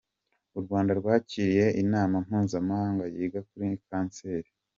U Rwanda rwakiriye inama mpuzamahanga yiga kuri kanseri.